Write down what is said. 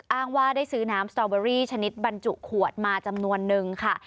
อ้างว่าได้ซื้อน้ำสตอเบอรี่ชนิดบรรจุขวดมาจำนวนนึงค่ะ